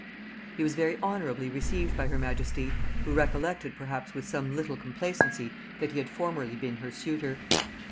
He was very honorably received by her majesty, who recollected perhaps with some little complacency that he had formerly been her suitor.